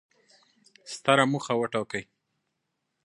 ستره موخه وټاکئ!